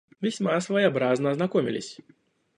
Весьма своеобразно ознакомились.